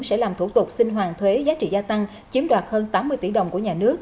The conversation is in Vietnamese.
sẽ làm thủ tục xin hoàn thuế giá trị gia tăng chiếm đoạt hơn tám mươi tỷ đồng của nhà nước